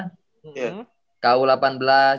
jadi suka bertanding di luar bangka gitu